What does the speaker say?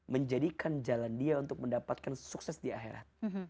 menjadikan jalan dia untuk mendapatkan sukses di akhirat